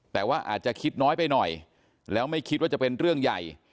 แต่ว่าอาจจะคิดน้อยไปหน่อยแล้วไม่คิดว่าจะเป็นเรื่องใหญ่